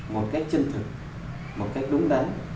một cách chân thực một cách đúng đắn